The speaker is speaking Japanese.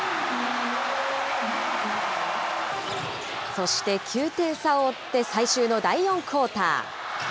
そして、９点差を追って、最終の第４クオーター。